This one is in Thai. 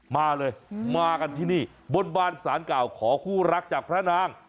มาเลยมากันที่นี่บนบานสารเก่าขอคู่รักจากพระนาง